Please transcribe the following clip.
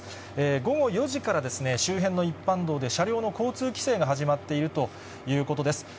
午後４時から、周辺の一般道で車両の交通規制が始まっているということです。